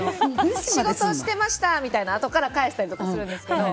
仕事してましたみたいなあとから返したりするんですけど。